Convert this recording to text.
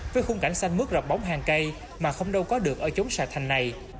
với khung cảnh xanh mướt rọc bóng hàng cây mà không đâu có được ở chống xà thành này